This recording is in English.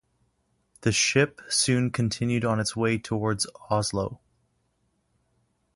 The ship soon continued on its way towards Oslo.